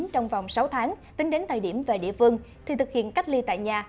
trong vòng sáu tháng tính đến thời điểm về địa phương thì thực hiện cách ly tại nhà